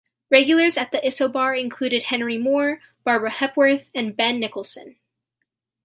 Regulars at the Isobar included Henry Moore, Barbara Hepworth and Ben Nicholson.